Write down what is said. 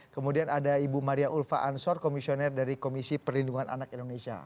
kemudian ada ibu maria ulfa ansor komisioner dari komisi perlindungan anak indonesia